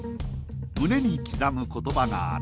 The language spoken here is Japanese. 胸に刻む言葉がある。